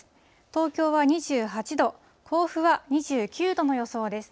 東京は２８度、甲府は２９度の予想です。